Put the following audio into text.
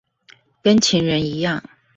跟情人一樣